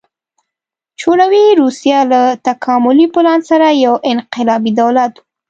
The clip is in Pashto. شوروي روسیه له تکاملي پلان سره یو انقلابي دولت و